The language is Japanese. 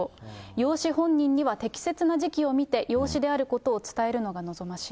養子本人には適切な時期を見て、養子であることを伝えるのが望ま